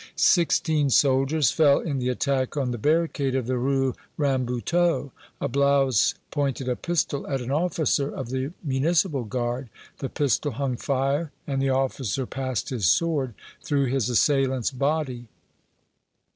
Sixteen soldiers fell in the attack on the barricade of the Rue Rambuteau. A blouse pointed a pistol at an officer of the Municipal Guard; the pistol hung fire, and the officer passed his sword through his assailant's body.